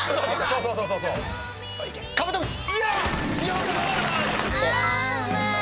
カブトムシ！